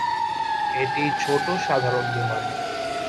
এটি ছোট সাধারণ বিমান।